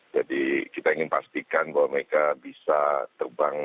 jadi kita ingin pastikan bahwa mereka bisa terbang